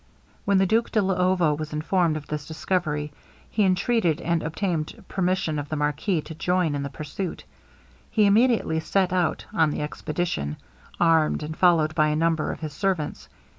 When the Duke de Luovo was informed of this discovery, he entreated and obtained permission of the marquis to join in the pursuit. He immediately set out on the expedition, armed, and followed by a number of his servants.